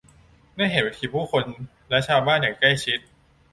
ได้เห็นวิถีผู้คนและชาวบ้านอย่างใกล้ชิด